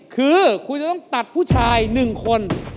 คือคุณจะต้องตัดผู้ชาย๑คน